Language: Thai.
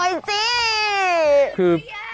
เปลี่ยนให้ใหม่หน่อยจิ